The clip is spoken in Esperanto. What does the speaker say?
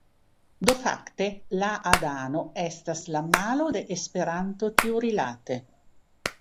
Do fakte, Láadano estas la malo de Esperanto tiurilate